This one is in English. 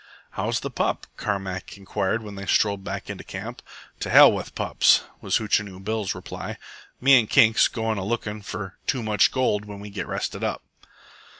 "How's the pup?" Carmack inquired when they strolled back into camp. "To hell with pups!" was Hootchinoo Bill's reply. "Me and Kink's goin' a lookin' for Too Much Gold when we get rested up."